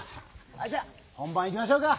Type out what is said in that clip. じゃあ本ばんいきましょうか。